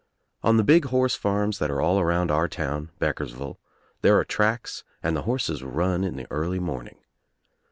On the big horse farms that are all around our town Beck ersville there are tracks and the horses run in the early morning.